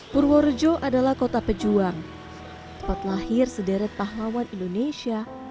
purworejo adalah kota pejuang tempat lahir sederet pahlawan indonesia